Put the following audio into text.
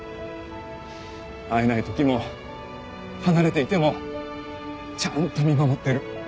会えないときも離れていてもちゃんと見守ってる。